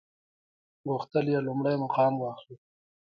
غوښتل لومړی مقام واخلي.